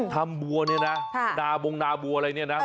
บัวเนี่ยนะนาบงนาบัวอะไรเนี่ยนะ